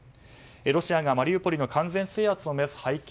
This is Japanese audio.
ロシアがマリウポリの完全制圧を目指す背景